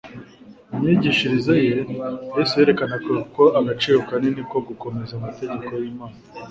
Mu myigishirize ye, Yesu yerekanaga agaciro kanini ko gukomeza amategeko y'Imana,